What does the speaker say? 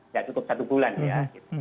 ya cukup satu bulan ya